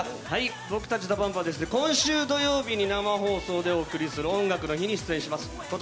僕たちＤＡＰＵＭＰは今週土曜日に生放送でお送りする「音楽の日」に出演します。